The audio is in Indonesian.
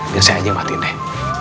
biasanya aja yang matiin deh